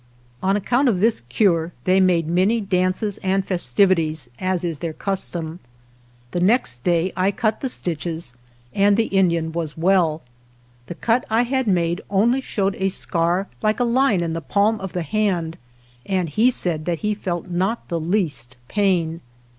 On account of this cure they made many dances and festivities, as is their custom. The next day I cut the stitches, and the In dian was well. The cut I had made only showed a scar like a line in the palm of the hand, and he said that he felt not the least pain.